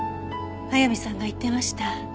速水さんが言ってました。